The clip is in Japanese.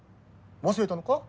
忘れたのか？